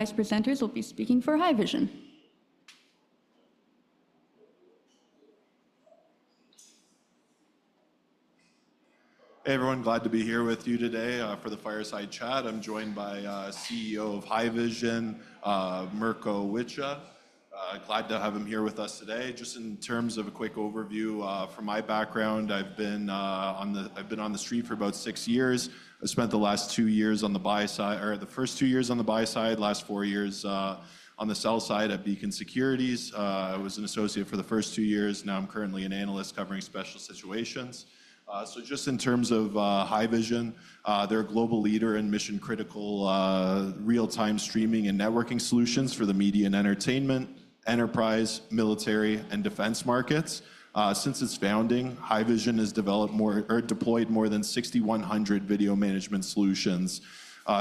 Presenters will be speaking for Haivision. Hey, everyone. Glad to be here with you today for the Fireside Chat. I'm joined by CEO of Haivision, Mirko Wicha. Glad to have him here with us today. Just in terms of a quick overview from my background, I've been on the street for about six years. I spent the last two years on the buy-side or the first two years on the buy-side, last four years on the sell-side at Beacon Securities. I was an associate for the first two years. Now I'm currently an analyst covering special situations. So just in terms of Haivision, they're a global leader in mission-critical real-time streaming and networking solutions for the media and entertainment enterprise, military, and defense markets. Since its founding, Haivision has developed more or deployed more than 6,100 video management solutions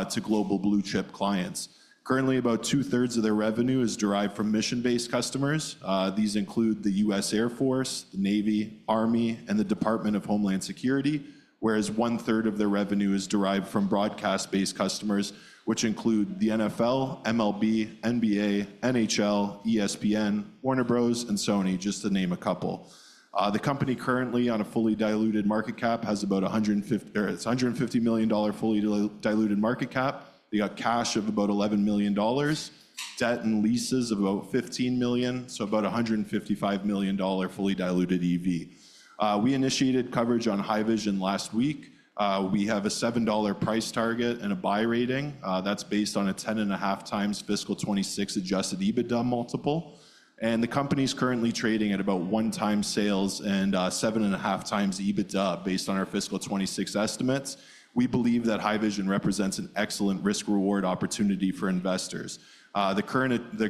to global blue-chip clients. Currently, about two-thirds of their revenue is derived from mission-based customers. These include the U.S. Air Force, the Navy, Army, and the Department of Homeland Security, whereas one-third of their revenue is derived from broadcast-based customers, which include the NFL, MLB, NBA, NHL, ESPN, Warner Bros., and Sony, just to name a couple. The company currently, on a fully diluted market cap, has about $150 million fully diluted market cap. They got cash of about $11 million, debt and leases of about $15 million, so about a $155 million fully diluted EV. We initiated coverage on Haivision last week. We have a $7 price target and a buy rating that's based on a 10 and a half times fiscal 26 Adjusted EBITDA multiple. And the company's currently trading at about one-time sales and seven and a half times EBITDA based on our fiscal 26 estimates. We believe that Haivision represents an excellent risk-reward opportunity for investors. The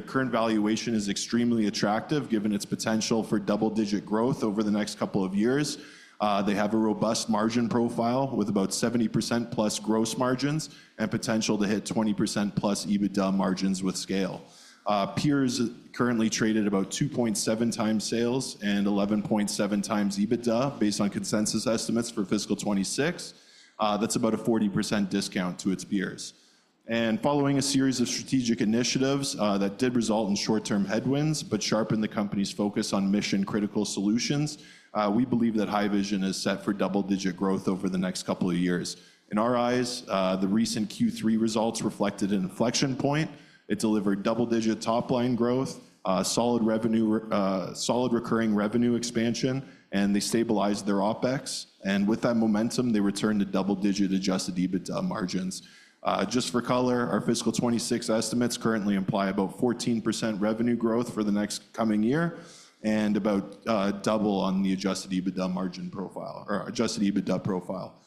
current valuation is extremely attractive given its potential for double-digit growth over the next couple of years. They have a robust margin profile with about 70% plus gross margins and potential to hit 20%+ EBITDA margins with scale. Peers currently trade at about 2.7 times sales and 11.7 times EBITDA based on consensus estimates for fiscal 2026. That's about a 40% discount to its peers. And following a series of strategic initiatives that did result in short-term headwinds but sharpened the company's focus on mission-critical solutions, we believe that Haivision is set for double-digit growth over the next couple of years. In our eyes, the recent Q3 results reflected an inflection point. It delivered double-digit top-line growth, solid recurring revenue expansion, and they stabilized their OPEX. And with that momentum, they returned to double-digit adjusted EBITDA margins. Just for color, our fiscal 2026 estimates currently imply about 14% revenue growth for the next coming year and about double on the Adjusted EBITDA margin profile or Adjusted EBITDA profile.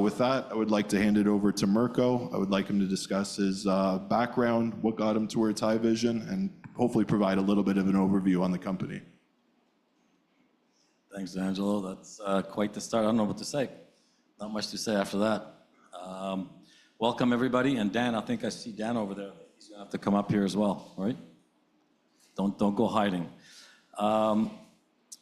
With that, I would like to hand it over to Mirko. I would like him to discuss his background, what got him towards Haivision, and hopefully provide a little bit of an overview on the company. Thanks, D'Angelo. That's quite the start. I don't know what to say. Not much to say after that. Welcome, everybody. And Dan, I think I see Dan over there. He's going to have to come up here as well, right? Don't go hiding.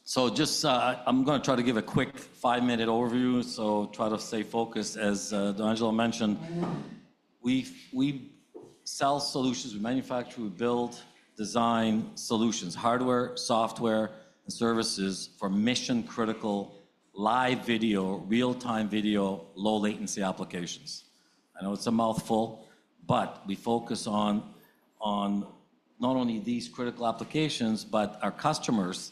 So just, I'm going to try to give a quick five-minute overview, so try to stay focused. As D'Angelo mentioned, we sell solutions. We manufacture, we build, design solutions, hardware, software, and services for mission-critical live video, real-time video, low-latency applications. I know it's a mouthful, but we focus on not only these critical applications, but our customers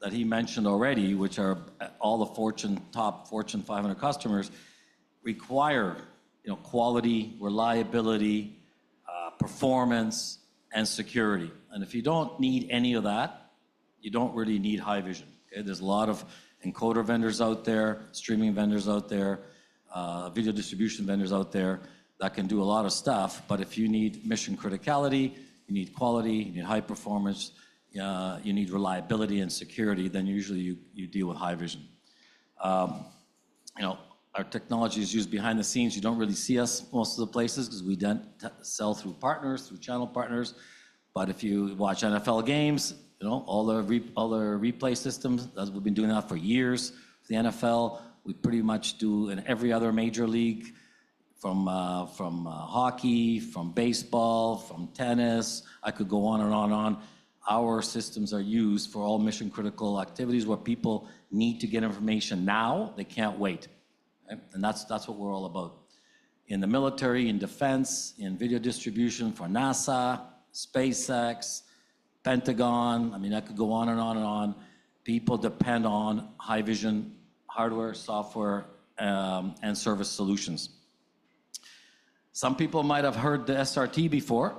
that he mentioned already, which are all the top Fortune 500 customers, require quality, reliability, performance, and security. And if you don't need any of that, you don't really need Haivision. There's a lot of encoder vendors out there, streaming vendors out there, video distribution vendors out there that can do a lot of stuff. But if you need mission criticality, you need quality, you need high performance, you need reliability and security, then usually you deal with Haivision. Our technology is used behind the scenes. You don't really see us most of the places because we sell through partners, through channel partners. But if you watch NFL games, all the replay systems, we've been doing that for years for the NFL. We pretty much do in every other major league from hockey, from baseball, from tennis. I could go on and on and on. Our systems are used for all mission-critical activities where people need to get information now. They can't wait. And that's what we're all about. In the military, in defense, in video distribution for NASA, SpaceX, Pentagon, I mean, I could go on and on and on. People depend on Haivision hardware, software, and service solutions. Some people might have heard the SRT before.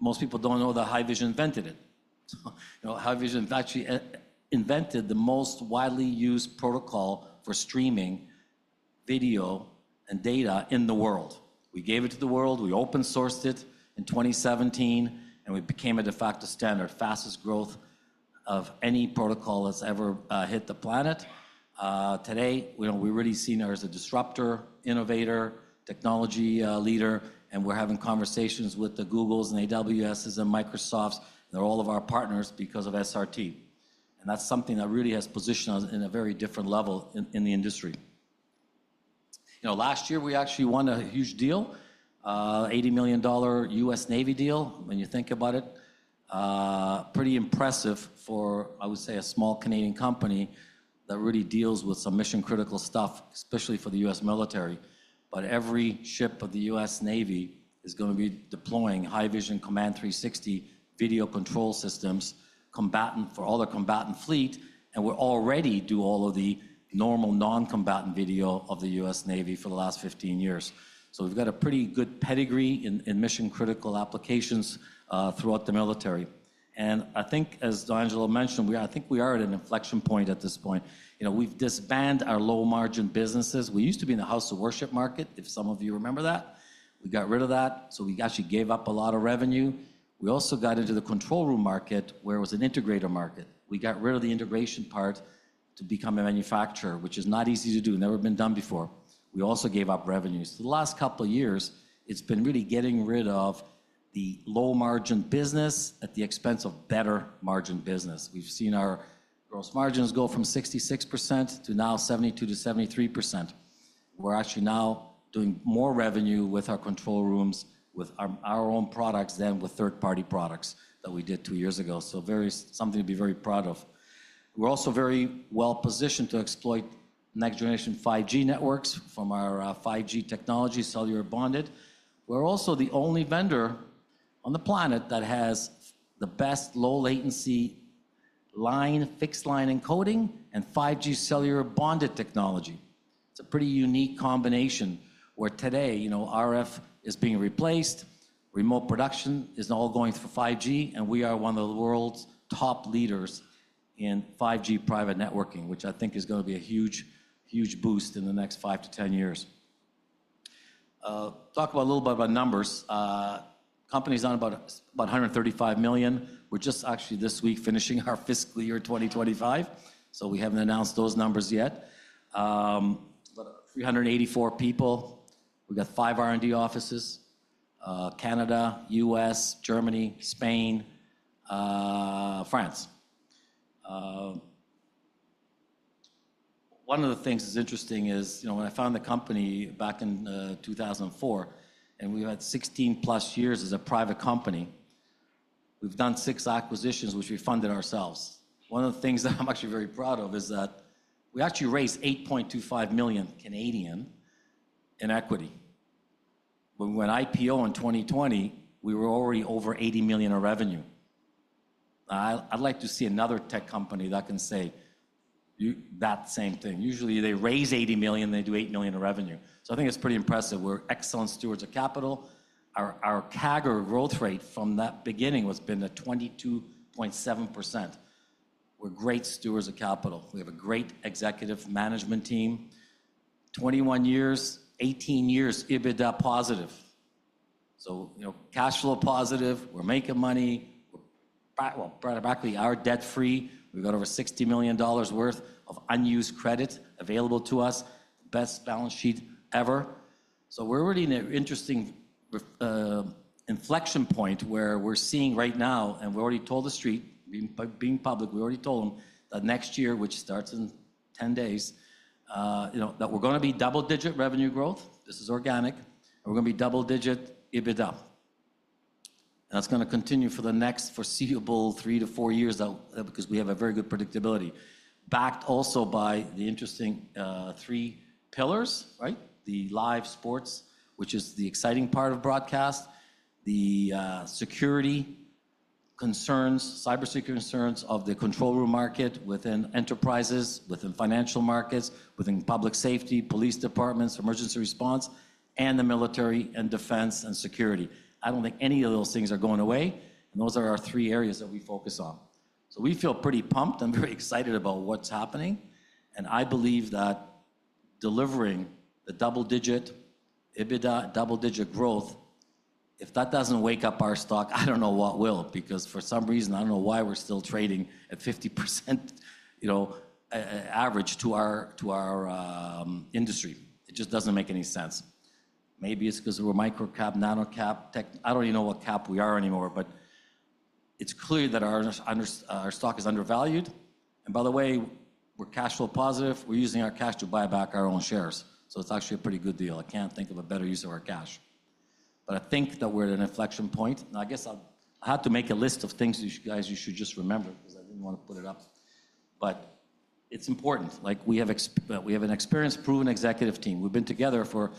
Most people don't know that Haivision invented it. Haivision actually invented the most widely used protocol for streaming video and data in the world. We gave it to the world. We open-sourced it in 2017, and we became a de facto standard, fastest growth of any protocol that's ever hit the planet. Today, we're really seen as a disrupter, innovator, technology leader, and we're having conversations with the Googles and AWSs and Microsofts. They're all of our partners because of SRT, and that's something that really has positioned us in a very different level in the industry. Last year, we actually won a huge deal, an $80 million US Navy deal when you think about it. Pretty impressive for, I would say, a small Canadian company that really deals with some mission-critical stuff, especially for the US military. But every ship of the US Navy is going to be deploying Haivision Command 360 video control systems, combatant for all their combatant fleet. And we're already doing all of the normal non-combatant video of the US Navy for the last 15 years. So we've got a pretty good pedigree in mission-critical applications throughout the military. And I think, as D'Angelo mentioned, I think we are at an inflection point at this point. We've disbanded our low-margin businesses. We used to be in the house of worship market, if some of you remember that. We got rid of that. So we actually gave up a lot of revenue. We also got into the control room market, where it was an integrator market. We got rid of the integration part to become a manufacturer, which is not easy to do, never been done before. We also gave up revenue. So the last couple of years, it's been really getting rid of the low-margin business at the expense of better margin business. We've seen our gross margins go from 66% to now 72% to 73%. We're actually now doing more revenue with our control rooms, with our own products than with third-party products that we did two years ago. So something to be very proud of. We're also very well-positioned to exploit next-generation 5G networks from our 5G technology, cellular bonded. We're also the only vendor on the planet that has the best low-latency line fixed line encoding and 5G cellular bonded technology. It's a pretty unique combination where today RF is being replaced, remote production is all going through 5G, and we are one of the world's top leaders in 5G private networking, which I think is going to be a huge boost in the next five to 10 years. Talk a little bit about numbers. Company's on about $135 million. We're just actually this week finishing our fiscal year 2025, so we haven't announced those numbers yet. 384 people. We've got five R&D offices: Canada, U.S., Germany, Spain, France. One of the things that's interesting is when I founded the company back in 2004, and we had 16+ years as a private company. We've done six acquisitions, which we funded ourselves. One of the things that I'm actually very proud of is that we actually raised 8.25 million in equity. When we went IPO in 2020, we were already over $80 million in revenue. I'd like to see another tech company that can say that same thing. Usually, they raise $80 million. They do $8 million in revenue. So I think it's pretty impressive. We're excellent stewards of capital. Our CAGR growth rate from that beginning has been at 22.7%. We're great stewards of capital. We have a great executive management team. 21 years, 18 years EBITDA positive. So cash flow positive. We're making money. Well, practically, we're debt-free. We've got over $60 million worth of unused credit available to us. Best balance sheet ever. So we're already in an interesting inflection point where we're seeing right now, and we've already told the street, being public, we've already told them that next year, which starts in 10 days, that we're going to be double-digit revenue growth. This is organic. We're going to be double-digit EBITDA, and that's going to continue for the next foreseeable three-to-four years because we have very good predictability, backed also by the interesting three pillars, right? The live sports, which is the exciting part of broadcast, the security concerns, cybersecurity concerns of the control room market within enterprises, within financial markets, within public safety, police departments, emergency response, and the military and defense and security. I don't think any of those things are going away, and those are our three areas that we focus on, so we feel pretty pumped and very excited about what's happening, and I believe that delivering the double-digit EBITDA, double-digit growth, if that doesn't wake up our stock, I don't know what will because for some reason, I don't know why we're still trading at 50% average to our industry. It just doesn't make any sense. Maybe it's because we're micro-cap, nano-cap. I don't even know what cap we are anymore, but it's clear that our stock is undervalued. And by the way, we're cash flow positive. We're using our cash to buy back our own shares. So it's actually a pretty good deal. I can't think of a better use of our cash. But I think that we're at an inflection point. Now, I guess I had to make a list of things you guys should just remember because I didn't want to put it up. But it's important. We have an experienced, proven executive team. We've been together for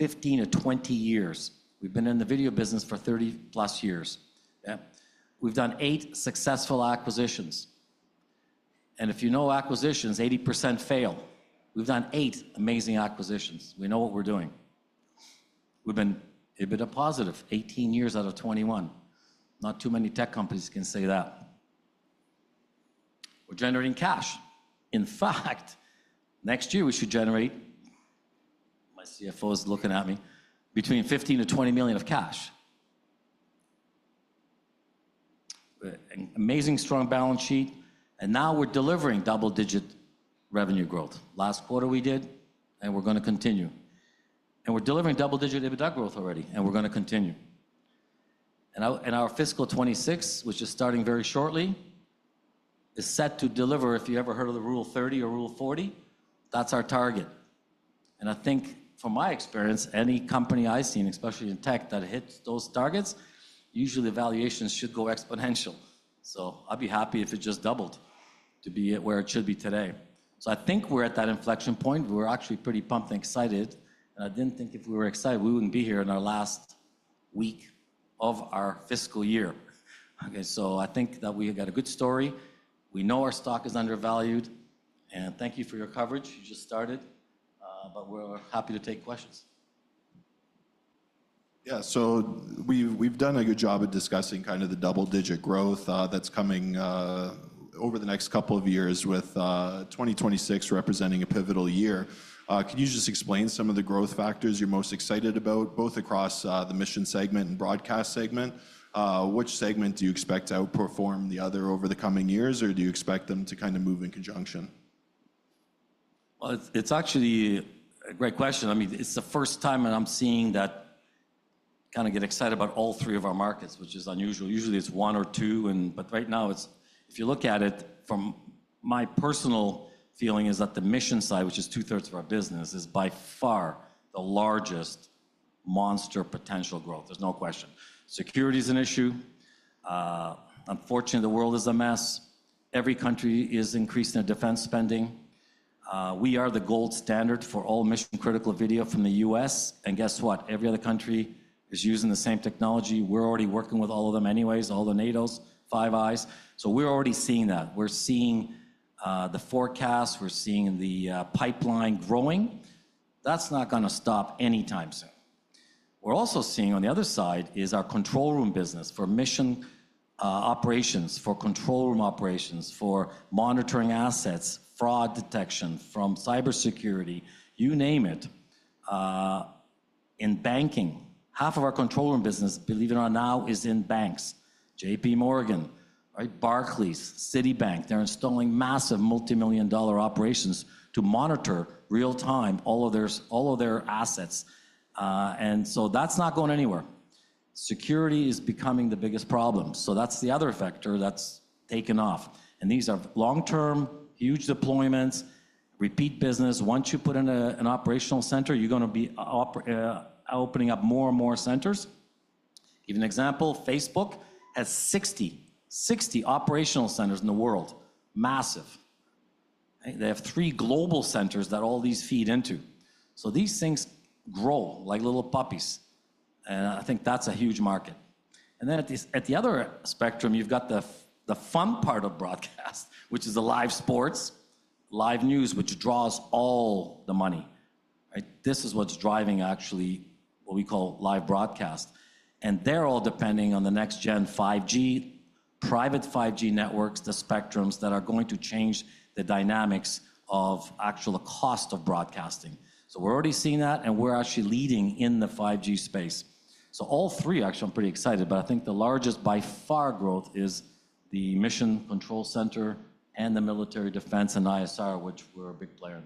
15-20 years. We've been in the video business for 30+ years. We've done eight successful acquisitions. And if you know acquisitions, 80% fail. We've done eight amazing acquisitions. We know what we're doing. We've been EBITDA positive 18 years out of 21. Not too many tech companies can say that. We're generating cash. In fact, next year, we should generate, my CFO is looking at me, between $15 million-$20 million of cash. Amazing strong balance sheet, and now we're delivering double-digit revenue growth. Last quarter we did, and we're going to continue. We're delivering double-digit EBITDA growth already, and we're going to continue, and our fiscal 2026, which is starting very shortly, is set to deliver. If you ever heard of the Rule 30 or Rule 40, that's our target, and I think, from my experience, any company I've seen, especially in tech, that hits those targets, usually valuations should go exponential, so I'd be happy if it just doubled to be where it should be today, so I think we're at that inflection point. We're actually pretty pumped and excited. And I didn't think if we were excited, we wouldn't be here in our last week of our fiscal year. Okay. So I think that we got a good story. We know our stock is undervalued. And thank you for your coverage. You just started, but we're happy to take questions. Yeah, so we've done a good job of discussing kind of the double-digit growth that's coming over the next couple of years with 2026 representing a pivotal year. Could you just explain some of the growth factors you're most excited about, both across the mission segment and broadcast segment? Which segment do you expect to outperform the other over the coming years, or do you expect them to kind of move in conjunction? It's actually a great question. I mean, it's the first time that I'm seeing that kind of excitement about all three of our markets, which is unusual. Usually, it's one or two. But right now, if you look at it, my personal feeling is that the mission side, which is two-thirds of our business, is by far the largest monster potential growth. There's no question. Security is an issue. Unfortunately, the world is a mess. Every country is increasing their defense spending. We are the gold standard for all mission-critical video from the U.S. And guess what? Every other country is using the same technology. We're already working with all of them anyways, all the NATO's, Five Eyes. So we're already seeing that. We're seeing the forecast. We're seeing the pipeline growing. That's not going to stop anytime soon. We're also seeing on the other side is our control room business for mission operations, for control room operations, for monitoring assets, fraud detection from cybersecurity, you name it, in banking. Half of our control room business, believe it or not, now is in banks. JPMorgan, Barclays, Citibank, they're installing massive multimillion-dollar operations to monitor real-time all of their assets, and so that's not going anywhere. Security is becoming the biggest problem, so that's the other factor that's taken off, and these are long-term, huge deployments, repeat business. Once you put in an operational center, you're going to be opening up more and more centers. Give you an example. Facebook has 60 operational centers in the world. Massive. They have three global centers that all these feed into, so these things grow like little puppies, and I think that's a huge market. And then at the other spectrum, you've got the fun part of broadcast, which is the live sports, live news, which draws all the money. This is what's driving actually what we call live broadcast. And they're all depending on the next-gen 5G, private 5G networks, the spectrums that are going to change the dynamics of actual cost of broadcasting. So we're already seeing that, and we're actually leading in the 5G space. So all three, actually, I'm pretty excited, but I think the largest by far growth is the mission control center and the military defense and ISR, which we're a big player in.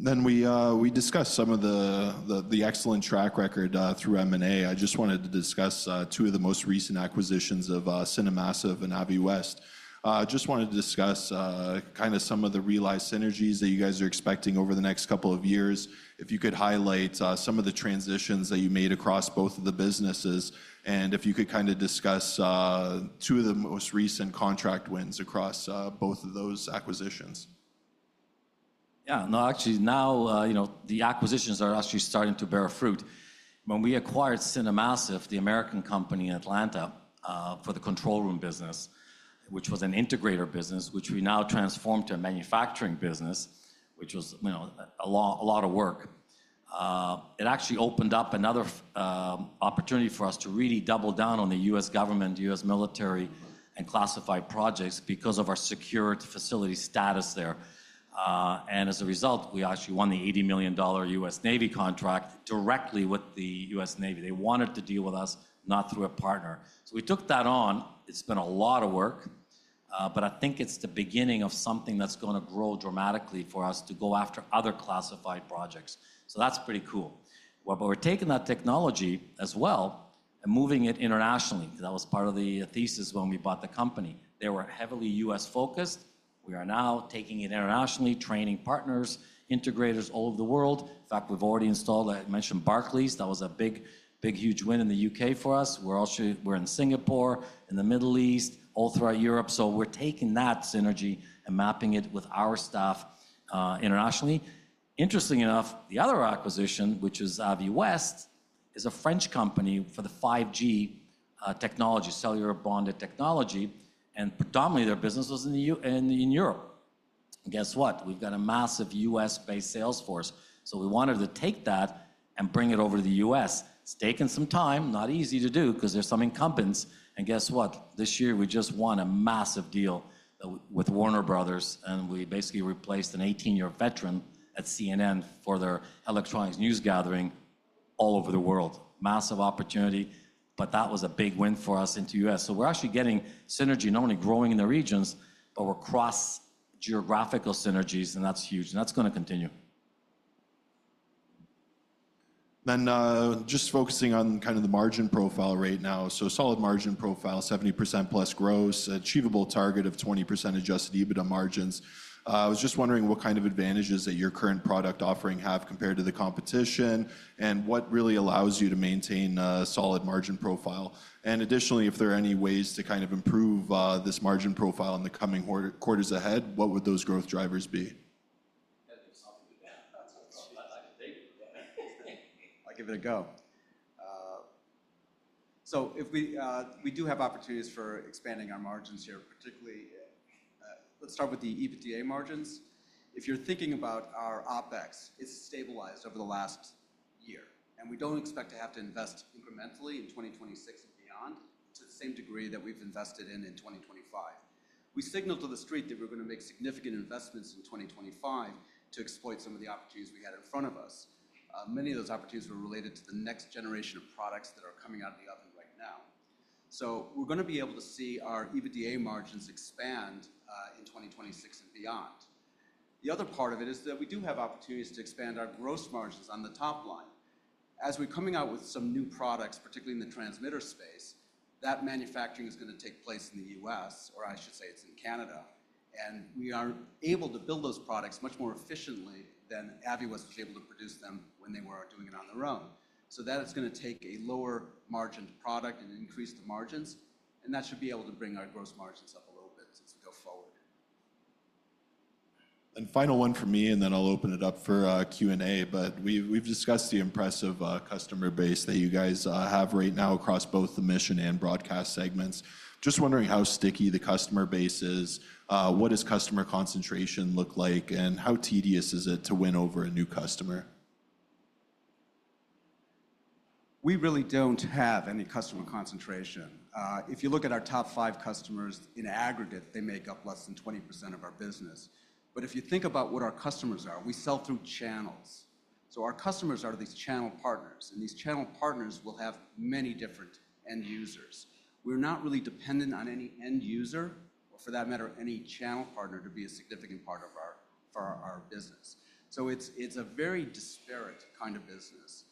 Then we discussed some of the excellent track record through M&A. I just wanted to discuss two of the most recent acquisitions of CineMassive and Aviwest. I just wanted to discuss kind of some of the realized synergies that you guys are expecting over the next couple of years, if you could highlight some of the transitions that you made across both of the businesses, and if you could kind of discuss two of the most recent contract wins across both of those acquisitions. Yeah. No, actually, now the acquisitions are actually starting to bear fruit. When we acquired CineMassive, the American company in Atlanta for the control room business, which was an integrator business, which we now transformed to a manufacturing business, which was a lot of work, it actually opened up another opportunity for us to really double down on the U.S. government, U.S. military, and classified projects because of our security facility status there. And as a result, we actually won the $80 million U.S. Navy contract directly with the U.S. Navy. They wanted to deal with us, not through a partner. So we took that on. It's been a lot of work, but I think it's the beginning of something that's going to grow dramatically for us to go after other classified projects. So that's pretty cool. But we're taking that technology as well and moving it internationally. That was part of the thesis when we bought the company. They were heavily U.S.-focused. We are now taking it internationally, training partners, integrators all over the world. In fact, we've already installed, I mentioned, Barclays. That was a big, huge win in the U.K. for us. We're in Singapore, in the Middle East, all throughout Europe. So we're taking that synergy and mapping it with our staff internationally. Interesting enough, the other acquisition, which is Aviwest, is a French company for the 5G technology, cellular bonded technology. And predominantly, their business was in Europe. Guess what? We've got a massive U.S.-based sales force. So we wanted to take that and bring it over to the U.S. It's taken some time, not easy to do because there's some incumbents. And guess what? This year, we just won a massive deal with Warner Bros., and we basically replaced an 18-year veteran at CNN for their electronic news gathering all over the world. Massive opportunity, but that was a big win for us into the U.S. So we're actually getting synergy, not only growing in the regions, but we're cross-geographical synergies, and that's huge. And that's going to continue. Then, just focusing on kind of the margin profile right now, so solid margin profile, 70% plus gross, achievable target of 20% Adjusted EBITDA margins. I was just wondering what kind of advantages that your current product offering have compared to the competition and what really allows you to maintain a solid margin profile, and additionally, if there are any ways to kind of improve this margin profile in the coming quarters ahead, what would those growth drivers be? I'll give it a go. So we do have opportunities for expanding our margins here, particularly let's start with the EBITDA margins. If you're thinking about our OPEX, it's stabilized over the last year. And we don't expect to have to invest incrementally in 2026 and beyond to the same degree that we've invested in 2025. We signaled to the street that we're going to make significant investments in 2025 to exploit some of the opportunities we had in front of us. Many of those opportunities were related to the next generation of products that are coming out of the oven right now. So we're going to be able to see our EBITDA margins expand in 2026 and beyond. The other part of it is that we do have opportunities to expand our gross margins on the top line. As we're coming out with some new products, particularly in the transmitter space, that manufacturing is going to take place in the U.S., or I should say it's in Canada, and we are able to build those products much more efficiently than Aviwest was able to produce them when they were doing it on their own, so that's going to take a lower margin product and increase the margins, and that should be able to bring our gross margins up a little bit as we go forward. And final one for me, and then I'll open it up for Q&A. But we've discussed the impressive customer base that you guys have right now across both the mission and broadcast segments. Just wondering how sticky the customer base is. What does customer concentration look like, and how tedious is it to win over a new customer? We really don't have any customer concentration. If you look at our top five customers in aggregate, they make up less than 20% of our business, but if you think about what our customers are, we sell through channels. So our customers are these channel partners, and these channel partners will have many different end users. We're not really dependent on any end user or, for that matter, any channel partner to be a significant part of our business, so it's a very disparate kind of business.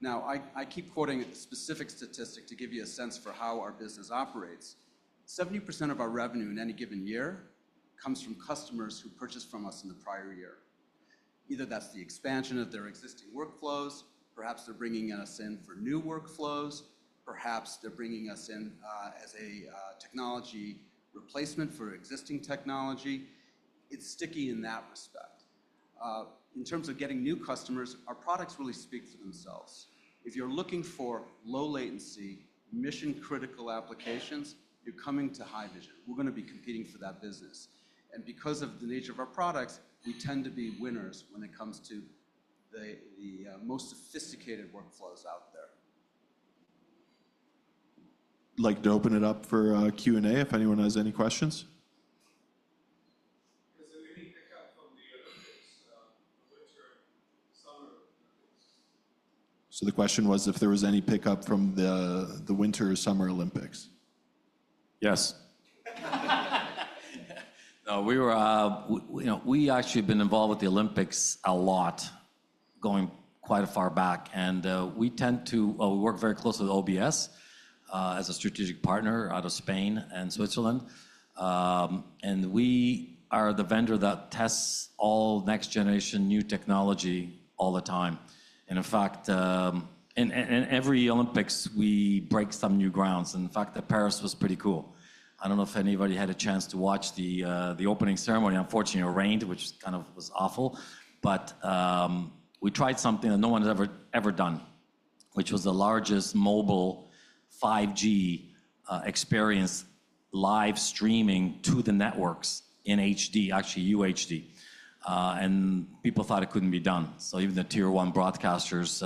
Now, I keep quoting a specific statistic to give you a sense for how our business operates. 70% of our revenue in any given year comes from customers who purchased from us in the prior year, either that's the expansion of their existing workflows, perhaps they're bringing us in for new workflows. Perhaps they're bringing us in as a technology replacement for existing technology. It's sticky in that respect. In terms of getting new customers, our products really speak for themselves. If you're looking for low-latency mission-critical applications, you're coming to Haivision. We're going to be competing for that business. And because of the nature of our products, we tend to be winners when it comes to the most sophisticated workflows out there. I'd like to open it up for Q&A if anyone has any questions. Was there any pickup from the Olympics in the winter or summer Olympics? So the question was if there was any pickup from the Winter or Summer Olympics. Yes. No, we actually have been involved with the Olympics a lot going quite far back. And we tend to work very closely with OBS as a strategic partner out of Spain and Switzerland. And we are the vendor that tests all next-generation new technology all the time. And in fact, in every Olympics, we break some new grounds. And in fact, that Paris was pretty cool. I don't know if anybody had a chance to watch the opening ceremony. Unfortunately, it rained, which kind of was awful. But we tried something that no one has ever done, which was the largest mobile 5G experience live streaming to the networks in HD, actually UHD. And people thought it couldn't be done. So even the tier one broadcasters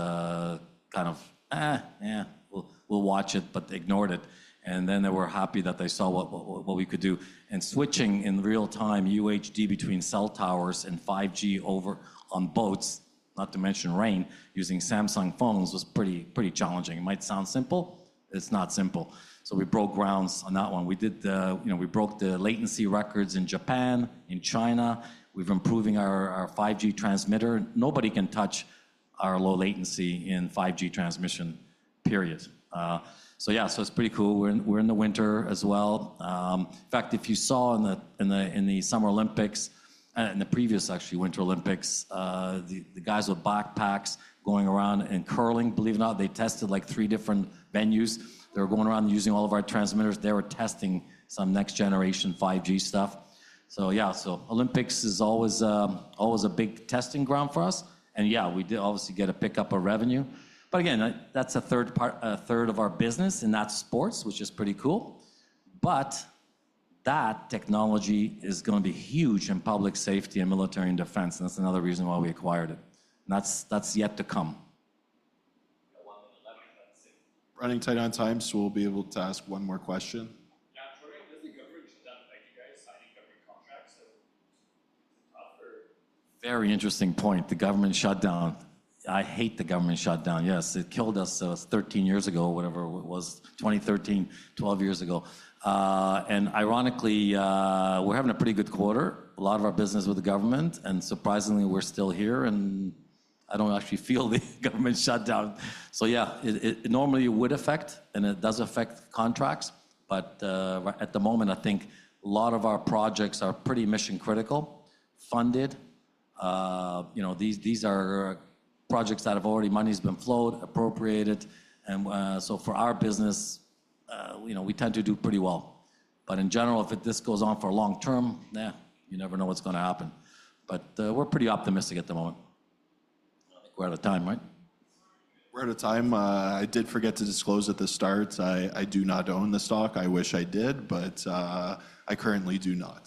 kind of, yeah, we'll watch it, but ignored it. And then they were happy that they saw what we could do. And switching in real-time UHD between cell towers and 5G over on boats, not to mention rain, using Samsung phones was pretty challenging. It might sound simple. It's not simple. So we broke ground on that one. We broke the latency records in Japan, in China. We're improving our 5G transmitter. Nobody can touch our low latency in 5G transmission, period. So yeah, so it's pretty cool. We're in the winter as well. In fact, if you saw in the Summer Olympics, in the previous actually Winter Olympics, the guys with backpacks going around and curling, believe it or not, they tested like three different venues. They were going around using all of our transmitters. They were testing some next-generation 5G stuff. So yeah, so Olympics is always a big testing ground for us. And yeah, we did obviously get a pickup of revenue. But again, that's a third part, a third of our business, and that's sports, which is pretty cool. But that technology is going to be huge in public safety and military and defense. And that's another reason why we acquired it. And that's yet to come. Running tight on time, so we'll be able to ask one more question. Yeah, sorry. I think government shut down, like you guys signing government contracts. Very interesting point. The government shut down. I hate the government shut down. Yes, it killed us 13 years ago, whatever it was, 2013, 12 years ago, and ironically, we're having a pretty good quarter, a lot of our business with the government. Surprisingly, we're still here, and I don't actually feel the government shut down, so yeah, normally it would affect, and it does affect contracts, but at the moment, I think a lot of our projects are pretty mission-critical, funded. These are projects that have already money has been flowed, appropriated, and so for our business, we tend to do pretty well, but in general, if this goes on for a long term, yeah, you never know what's going to happen, but we're pretty optimistic at the moment. I think we're out of time, right? We're out of time. I did forget to disclose at the start. I do not own the stock. I wish I did, but I currently do not.